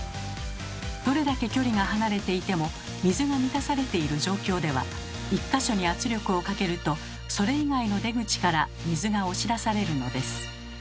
どれだけ距離が離れていても水が満たされている状況では１か所に圧力をかけるとそれ以外の出口から水が押し出されるのです。